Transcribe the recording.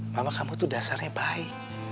mama kamu itu dasarnya baik